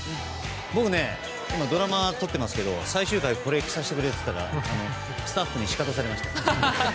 僕、今ドラマ撮ってますけど最終回これ着させてくれって言ったらスタッフにシカトされました。